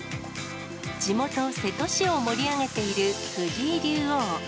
地元、瀬戸市を盛り上げている藤井竜王。